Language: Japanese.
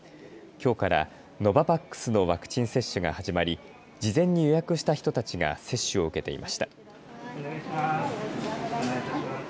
きょうからノババックスのワクチン接種が始まり事前に予約した人たちが接種を受けていました。